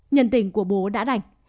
nhân tình của bố đã đành